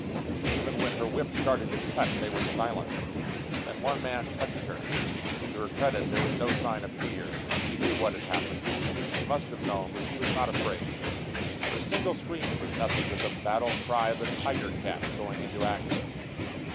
Even when her whip started to cut, they were silent. Then one man touched her. To her credit, there was no sign of fear. She knew what had happened. She must have known, but she was not afraid. Her single scream was nothing but the battle cry of the tiger cat going into action.